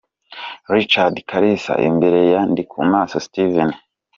Rachid Kalisa imbere ya Ndikumasabo Steven.